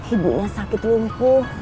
ibunya sakit lumpuh